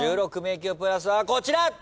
１６迷宮プラスはこちら。